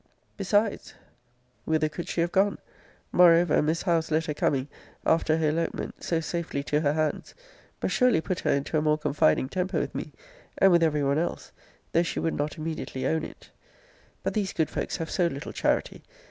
Besides, whither could she have gone? Moreover, Miss Howe's letter coming (after her elopement) so safely to her hands, must surely put her into a more confiding temper with me, and with every one else, though she would not immediately own it. But these good folks have so little charity!